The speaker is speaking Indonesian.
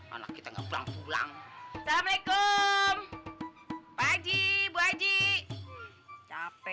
anak kita enggak pulang pulang assalamualaikum pak ji bu aji capek